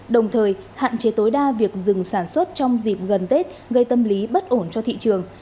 đồng thời hạn chế tối đa việc dừng sản xuất trong dịp gần tết gây tâm lý bất ổn cho thị trường